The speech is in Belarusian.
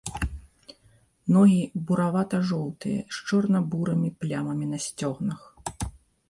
Ногі буравата-жоўтыя, з чорна-бурымі плямамі на сцёгнах.